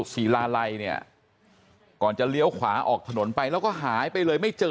ศรีลาลัยเนี่ยก่อนจะเลี้ยวขวาออกถนนไปแล้วก็หายไปเลยไม่เจอ